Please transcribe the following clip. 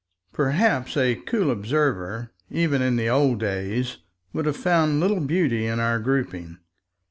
Perhaps a cool observer even in the old days would have found little beauty in our grouping.